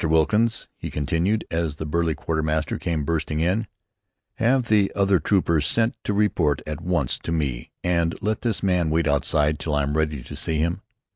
Wilkins," he continued, as the burly quartermaster came bustling in, "have the other trooper sent to report at once to me and let this man wait outside till I am ready to see him."